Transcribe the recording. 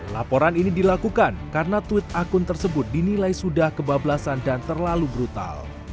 laporan ini dilakukan karena tweet akun tersebut dinilai sudah kebablasan dan terlalu brutal